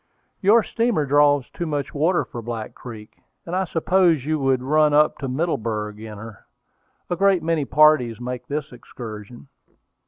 "Your steamer draws too much water for Black Creek, or I suppose you would run up to Middleburg in her. A great many parties make this excursion."